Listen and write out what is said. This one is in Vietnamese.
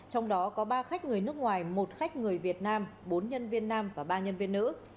trong đó có ba khách người nước ngoài một khách người việt nam bốn nhân viên nam và ba nhân viên nữ